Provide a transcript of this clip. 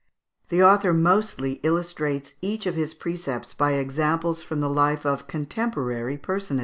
The author mostly illustrates each of his precepts by examples from the life of contemporary personages.